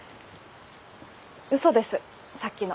うそですさっきの。